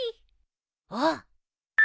あっ